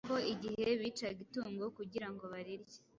ko igihe bicaga itungo kugira ngo barirye,